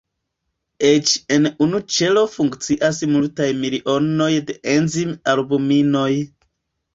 Eĉ en unu ĉelo funkcias multaj milionoj da enzim-albuminoj.